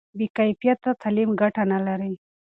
بې کیفیته تعلیم ګټه نه لري.